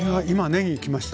ねぎきました？